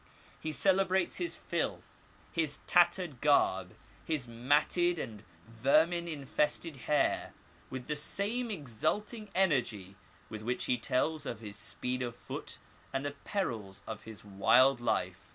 He celebrates his filth, his tattered garb, his matted and vermin infested hair, with the same exulting energy with which he tells of his speed of foot and the perils of his wild life.